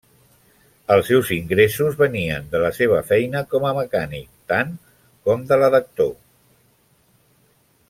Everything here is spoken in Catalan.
Els seus ingressos venien de la seva feina com a mecànic, tant com del d'actor.